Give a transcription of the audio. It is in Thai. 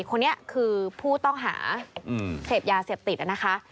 คนนี้คือผู้ต้องหาเสพยาเสพติดนะคะ